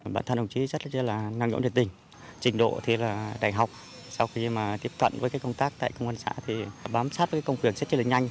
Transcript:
bản thân đồng chí rất là năng động nhiệt tình trình độ thế là đại học sau khi mà tiếp cận với công tác tại công an xã thì bám sát với công việc rất là nhanh